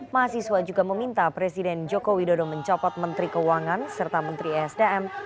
mahasiswa juga meminta presiden joko widodo mencopot menteri keuangan serta menteri esdm